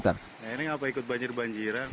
apa ikut banjir banjiran